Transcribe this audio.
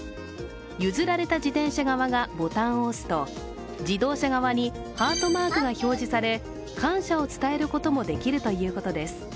譲られた自転車側がボタンを押すと自動車側にハートマークが表示され感謝を伝えることもできるということです。